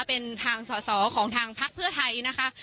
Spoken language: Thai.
เป็นทางสอสอของทางพักเพื่อไทยนะคะ